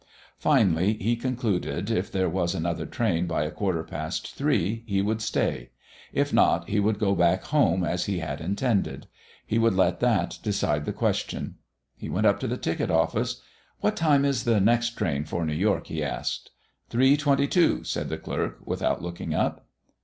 Finally he concluded if there was another train by a quarter past three he would stay; if not he would go back home as he had intended. He would let that decide the question. He went up to the ticket office. "What time is the next train for New York?" he asked. "Three twenty two," said the clerk, without looking up.